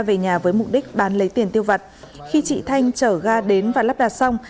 về nhà với mục đích bán lấy tiền tiêu vật khi chị thanh chở ga đến và lắp đặt xong